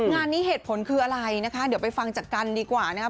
งานนี้เหตุผลคืออะไรนะคะเดี๋ยวไปฟังจากกันดีกว่านะครับ